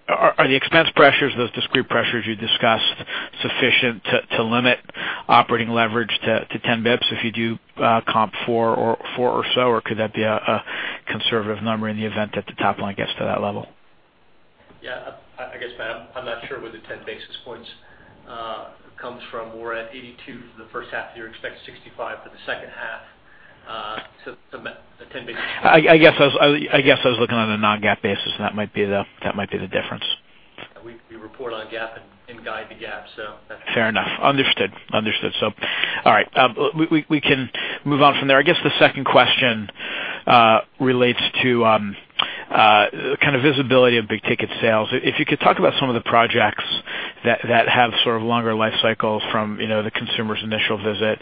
Are the expense pressures, those discrete pressures you discussed, sufficient to limit operating leverage to 10 basis points if you do comp four or so, or could that be a conservative number in the event that the top line gets to that level? Yeah, I guess, Matt, I'm not sure where the 10 basis points comes from. We're at 82 for the first half of the year, expect 65 for the second half. The 10 basis points. I guess I was looking on a non-GAAP basis. That might be the difference. We report on GAAP and guide to GAAP. Fair enough. Understood. All right. We can move on from there. I guess the second question relates to visibility of big-ticket sales. If you could talk about some of the projects that have sort of longer life cycles from the consumer's initial visit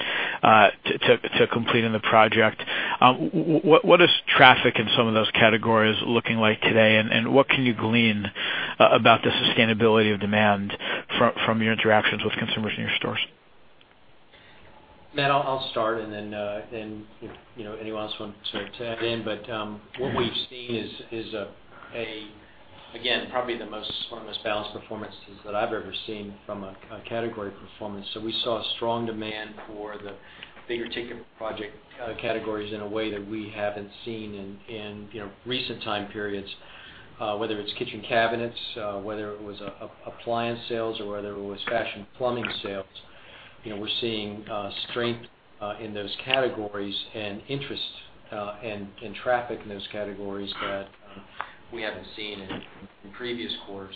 to completing the project. What is traffic in some of those categories looking like today, and what can you glean about the sustainability of demand from your interactions with consumers in your stores? Matt, I'll start. Then if anyone else wants to add in. What we've seen is, again, probably one of the most balanced performances that I've ever seen from a category performance. We saw strong demand for the bigger ticket project categories in a way that we haven't seen in recent time periods. Whether it's kitchen cabinets, whether it was appliance sales or whether it was fashion plumbing sales, we're seeing strength in those categories and interest and traffic in those categories that we haven't seen in previous quarters.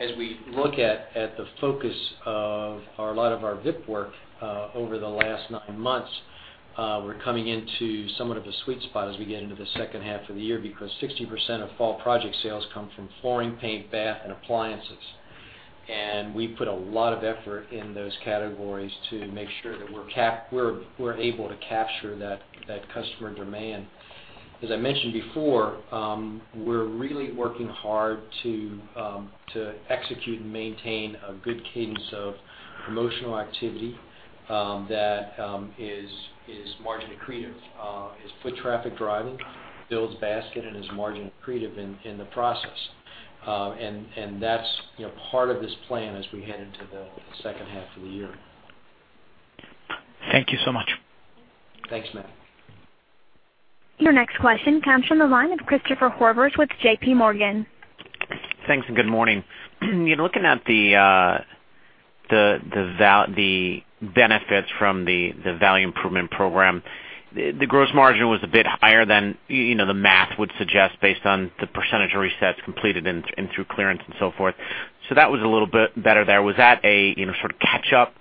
As we look at the focus of a lot of our VSP work over the last nine months, we're coming into somewhat of a sweet spot as we get into the second half of the year because 60% of fall project sales come from flooring, paint, bath, and appliances. We put a lot of effort in those categories to make sure that we're able to capture that customer demand. As I mentioned before, we're really working hard to execute and maintain a good cadence of promotional activity that is margin accretive, is foot traffic-driving, builds basket and is margin accretive in the process. That's part of this plan as we head into the second half of the year. Thank you so much. Thanks, Matt. Your next question comes from the line of Christopher Horvers with JPMorgan. Thanks. Good morning. Looking at the benefits from the value improvement program, the gross margin was a bit higher than the math would suggest based on the percentage of resets completed and through clearance and so forth. That was a little bit better there. Was that a sort of catch-up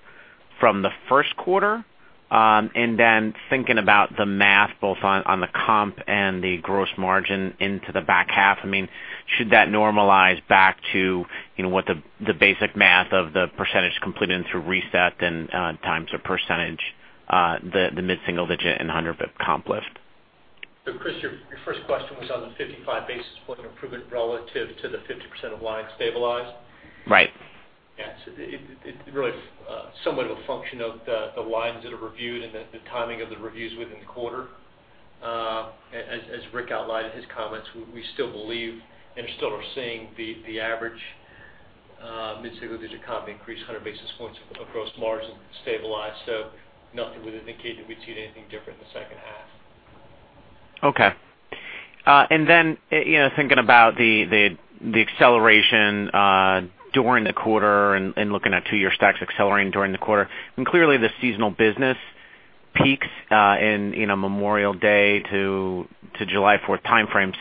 from the first quarter? Thinking about the math both on the comp and the gross margin into the back half, should that normalize back to what the basic math of the percentage completed through reset and times the percentage, the mid-single digit and 100 comp lift? Chris, your first question was on the 55 basis point improvement relative to the 50% of lines stabilized? Right. Yes. It really somewhat of a function of the lines that are reviewed and the timing of the reviews within the quarter. As Rick outlined in his comments, we still believe and still are seeing the average mid-single-digit comp increase, 100 basis points of gross margin stabilize. Nothing within indicate that we'd see anything different in the second half. Okay. Thinking about the acceleration during the quarter and looking at two-year stacks accelerating during the quarter, clearly the seasonal business peaks in Memorial Day to July 4th timeframe.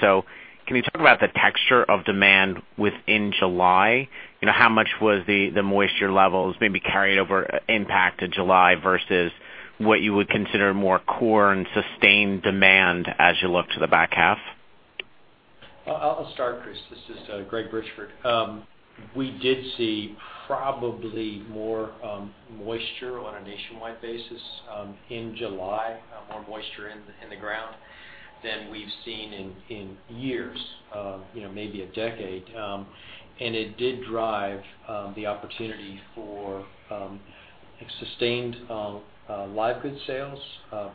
Can you talk about the texture of demand within July? How much was the moisture levels maybe carryover impact to July versus what you would consider more core and sustained demand as you look to the back half? I'll start, Chris. This is Gregory Bridgeford. We did see probably more moisture on a nationwide basis, in July, more moisture in the ground than we've seen in years, maybe a decade. It did drive the opportunity for sustained live goods sales,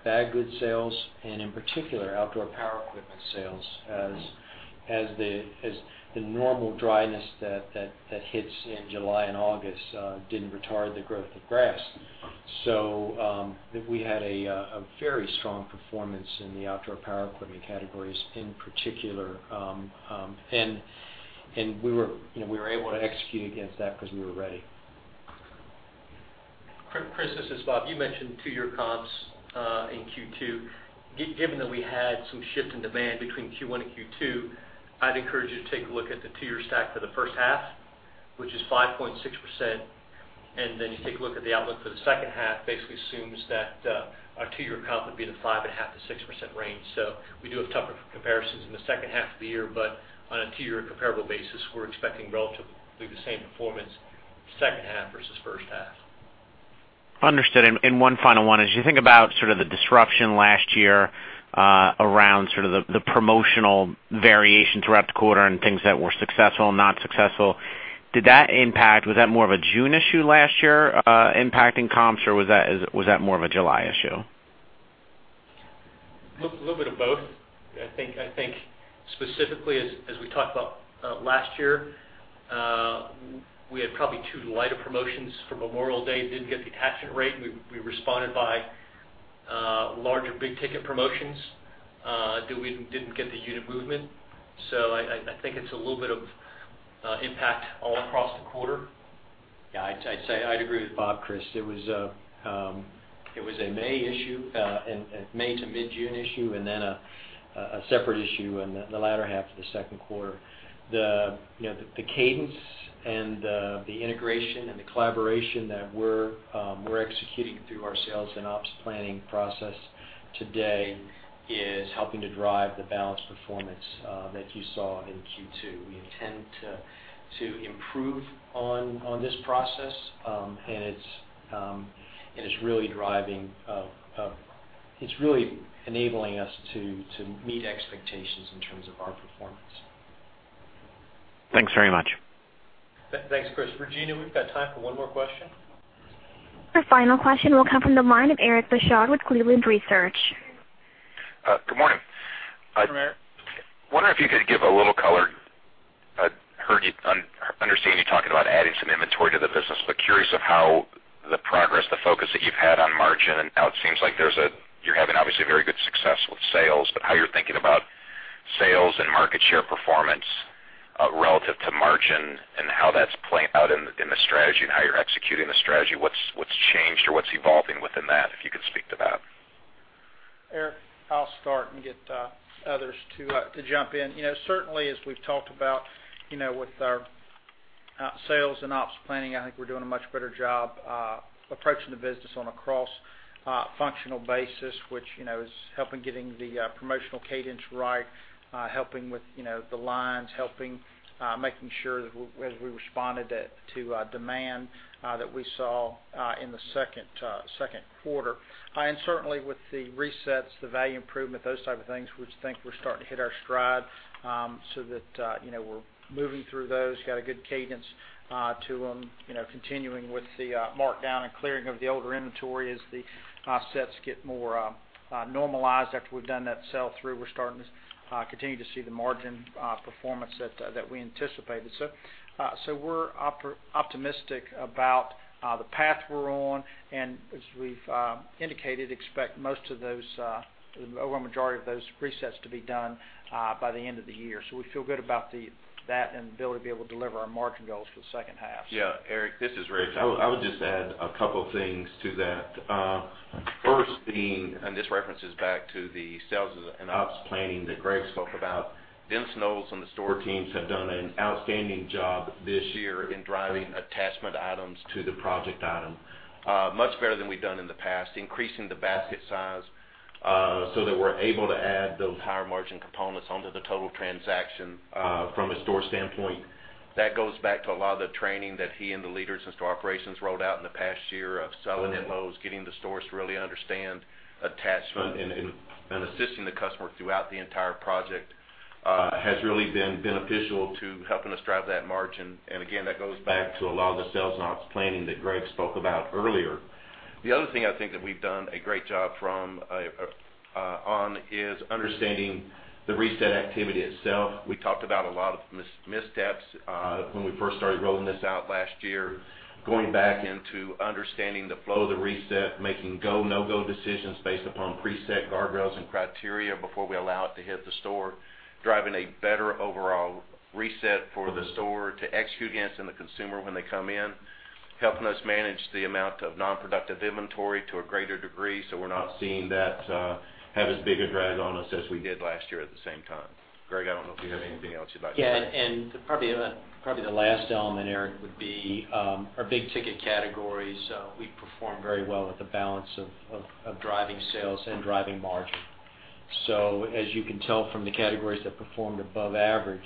bag goods sales, and in particular, outdoor power equipment sales as the normal dryness that hits in July and August didn't retard the growth of grass. We had a very strong performance in the outdoor power equipment categories in particular. We were able to execute against that because we were ready. Chris, this is Bob. You mentioned two-year comps, in Q2. Given that we had some shift in demand between Q1 and Q2, I'd encourage you to take a look at the two-year stack for the first half, which is 5.6%. You take a look at the outlook for the second half, basically assumes that our two-year comp would be the 5.5%-6% range. We do have tougher comparisons in the second half of the year, but on a two-year comparable basis, we're expecting relatively the same performance second half versus first half. Understood. One final one. As you think about sort of the disruption last year, around sort of the promotional variation throughout the quarter and things that were successful, not successful, was that more of a June issue last year, impacting comps, or was that more of a July issue? A little bit of both. I think specifically as we talked about last year, we had probably two lighter promotions for Memorial Day, didn't get the attachment rate, and we responded by larger, big-ticket promotions, though we didn't get the unit movement. I think it's a little bit of impact all across the quarter. Yeah, I'd agree with Bob, Chris. It was a May to mid-June issue and then a separate issue in the latter half of the second quarter. The cadence and the integration and the collaboration that we're executing through our sales and ops planning process today is helping to drive the balanced performance that you saw in Q2. We intend to improve on this process. It's really enabling us to meet expectations in terms of our performance. Thanks very much. Thanks, Chris. Regina, we've got time for one more question. Our final question will come from the line of Eric Bosshard with Cleveland Research. Good morning. Good morning, Eric. Wondering if you could give a little color. I understand you're talking about adding some inventory to the business. Curious of how the progress, the focus that you've had on margin and now it seems like you're having obviously very good success with sales, but how you're thinking about sales and market share performance relative to margin and how that's playing out in the strategy and how you're executing the strategy. What's changed or what's evolving within that, if you could speak to that? Eric, I'll start and get others to jump in. Certainly, as we've talked about, with our sales and ops planning, I think we're doing a much better job approaching the business on a cross-functional basis, which is helping getting the promotional cadence right, helping with the lines, helping making sure that as we responded to demand that we saw in the second quarter. Certainly, with the resets, the value improvement, those type of things, we think we're starting to hit our stride, so that we're moving through those. We've got a good cadence to them. Continuing with the markdown and clearing of the older inventory as the offsets get more normalized after we've done that sell-through. We're starting to continue to see the margin performance that we anticipated. We're optimistic about the path we're on, and as we've indicated, expect most of those, the overwhelming majority of those resets to be done by the end of the year. We feel good about that and the ability to be able to deliver our margin goals for the second half. Yeah, Eric, this is Rick D. Damron. I would just add a couple things to that. First being, and this references back to the sales and ops planning that Gregory M. Bridgeford spoke about, Vince Knowles and the store teams have done an outstanding job this year in driving attachment items to the project item. Much better than we've done in the past, increasing the basket size, so that we're able to add those higher margin components onto the total transaction from a store standpoint. That goes back to a lot of the training that he and the leaders in store operations rolled out in the past year of selling at Lowe's, getting the stores to really understand attachment and assisting the customer throughout the entire project has really been beneficial to helping us drive that margin. Again, that goes back to a lot of the sales and ops planning that Gregory M. Bridgeford spoke about earlier. The other thing I think that we've done a great job on is understanding the reset activity itself. We talked about a lot of missteps when we first started rolling this out last year, going back into understanding the flow of the reset, making go, no-go decisions based upon preset guardrails and criteria before we allow it to hit the store, driving a better overall reset for the store to execute against and the consumer when they come in, helping us manage the amount of non-productive inventory to a greater degree, so we're not seeing that have as big a drag on us as we did last year at the same time. Gregory M. Bridgeford, I don't know if you have anything else you'd like to add. Yeah, probably the last element, Eric, would be our big-ticket categories. We perform very well with the balance of driving sales and driving margin. As you can tell from the categories that performed above average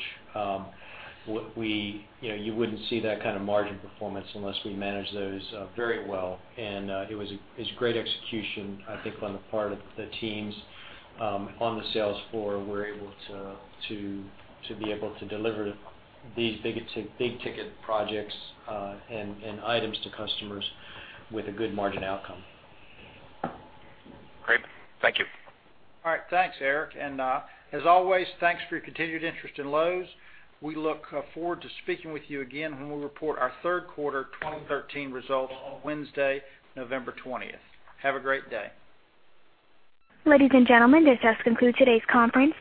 you wouldn't see that kind of margin performance unless we manage those very well. It was great execution, I think, on the part of the teams on the sales floor were able to be able to deliver these big-ticket projects and items to customers with a good margin outcome. Great. Thank you. All right. Thanks, Eric. As always, thanks for your continued interest in Lowe's. We look forward to speaking with you again when we report our third quarter 2013 results on Wednesday, November 20th. Have a great day. Ladies and gentlemen, this does conclude today's conference.